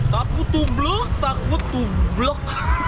takut tublok takut tublok